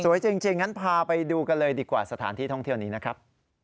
จริงงั้นพาไปดูกันเลยดีกว่าสถานที่ท่องเที่ยวนี้นะครับ